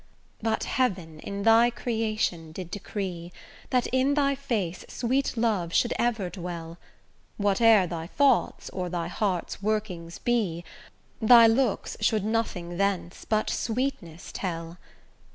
But heaven in thy creation did decree That in thy face sweet love should ever dwell; Whate'er thy thoughts, or thy heart's workings be, Thy looks should nothing thence, but sweetness tell.